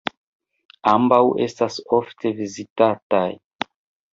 Ambaŭ estas ofte vizitataj.